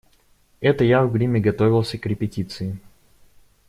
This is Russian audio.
Это я в гриме готовился к репетиции.